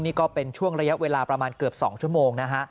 นี่ก็เป็นช่วงระยะเวลาประมาณเกือบ๒ชั่วโมงนะฮะ